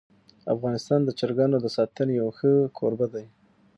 افغانستان د چرګانو د ساتنې یو ښه کوربه دی.